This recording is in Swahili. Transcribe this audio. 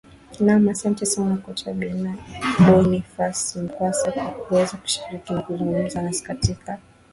naam asante sana kocha bonifas mkwasa kwa kuweza kushiriki na kuzungumza nasi katika